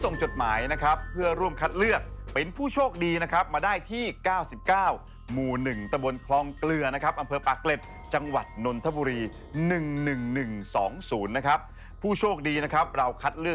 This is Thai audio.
ในชีวิตของคุณมาได้เลย